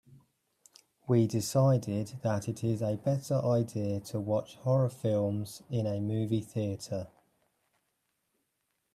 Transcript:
We decided that it is a better idea to watch horror films in a movie theater.